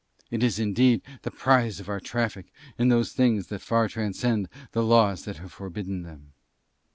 It is indeed the prize of our traffic in those things that far transcend the laws that have forbidden them."